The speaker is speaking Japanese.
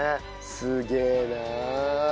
すげえなあ。